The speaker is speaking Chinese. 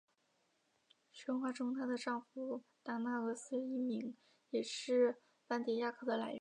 神话中她的丈夫达那俄斯一名也是斑蝶亚科的来源。